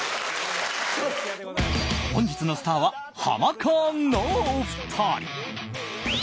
本日のスターはハマカーンのお二人。